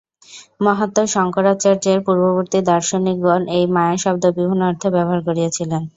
মহাত্মা শঙ্করাচার্যের পূর্ববর্তী দার্শনিকগণ এই মায়া-শব্দ বিভিন্ন অর্থে ব্যবহার করিয়াছিলেন।